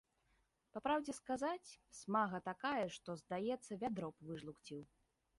Па праўдзе сказаць, смага такая, што, здаецца, вядро б выжлукціў.